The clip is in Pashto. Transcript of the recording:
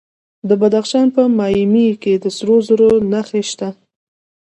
د بدخشان په مایمي کې د سرو زرو نښې شته.